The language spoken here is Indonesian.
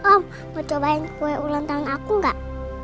om mau cobain kue ulang tahun aku gak